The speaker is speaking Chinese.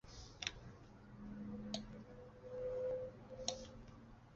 粗球果葶苈为十字花科葶苈属球果葶苈的变种。